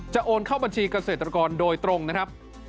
โอนเข้าบัญชีเกษตรกรโดยตรงนะครับ